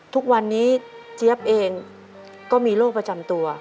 ทุกวันนี้เจี๊ยบเองก็มีโรคประจำตัว